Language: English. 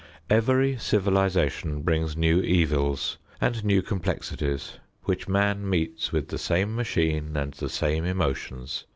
Every civilization brings new evils and new complexities which man meets with the same machine and the same emotions.